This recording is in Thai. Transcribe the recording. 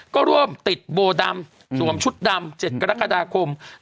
ก็ร่วมติดโบดำสวมชุดดำ๗กรกฎาคม